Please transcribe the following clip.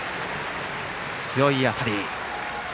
強い当たり。